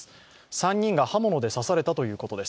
３人が刃物で刺されたということです。